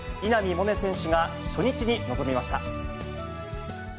萌寧選手が初日に臨みました。